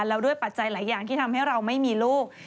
แล้วด้วยปัจจัยหลายอย่างที่ทำให้เราไม่มีลูก